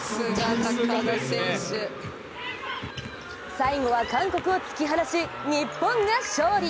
最後は韓国を突き放し、日本が勝利。